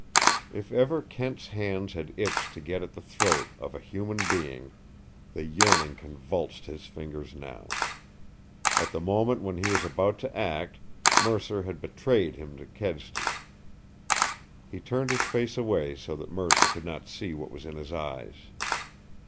If ever Kent's hands had itched to get at the throat of a human being, the yearning convulsed his fingers now. At the moment when he was about to act Mercer had betrayed him to Kedsty! He turned his face away so that Mercer could not see what was in his eyes.